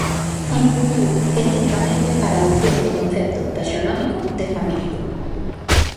Influíu cientificamente para a adopción do concepto taxonómico de familia.